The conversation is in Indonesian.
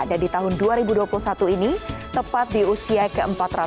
dan di tahun dua ribu dua puluh satu ini tepat di usia ke empat ratus sembilan puluh empat